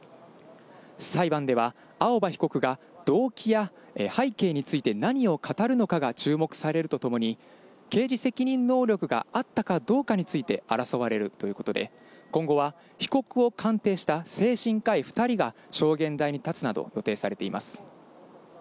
裁判では青葉被告が動機や背景について、何を語るのかが注目されるとともに、刑事責任能力があったかどうかについて争われるということで、今後は被告を鑑定した精神科医２人が証言台に立つなど予定されています。